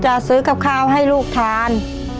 จะซื้อกับข้าวให้ลูกทาน